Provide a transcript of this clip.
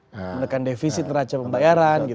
menekan defisit neraca pembayaran gitu ya